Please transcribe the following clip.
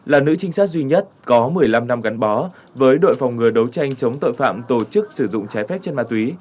là nữ trinh sát duy nhất có một mươi năm năm gắn bó với đội phòng ngừa đấu tranh chống tội phạm tổ chức sử dụng trái phép chất ma túy